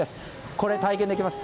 これを体験できます。